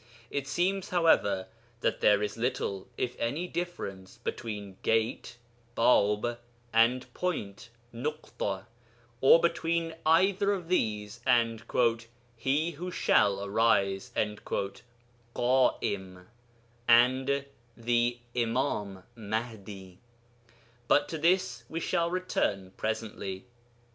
It seems, however, that there is little, if any, difference between 'Gate' (Bāb) and 'Point' (nukta), or between either of these and 'he who shall arise' (ka'im) and 'the Imām Mahdi.' But to this we shall return presently.